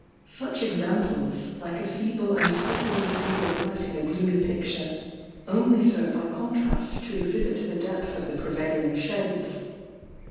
Such examples, like a feeble and flickering streak of light in a gloomy picture, only serve by contrast to exhibit the depth of the prevailing shades.